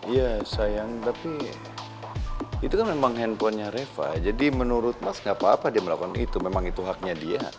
ya sayang tapi itu kan memang handphonenya reva jadi menurut mas gak apa apa dia melakukan itu memang itu haknya dia